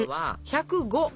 １０５！